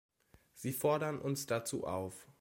Sie fordern uns dazu auf.